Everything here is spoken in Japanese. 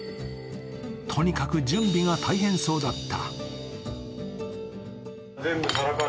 とにかく準備が大変そうだった。